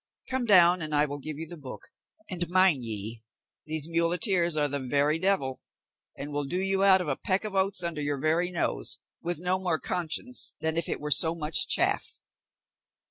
Come down and I will give you the book; and mind ye, these muleteers are the very devil, and will do you out of a peck of oats under your very nose, with no more conscience than if it was so much chaff."